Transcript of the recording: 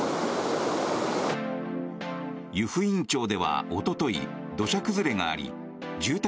湯布院町ではおととい土砂崩れがあり住宅